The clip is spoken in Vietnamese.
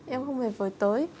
em không hề vời tới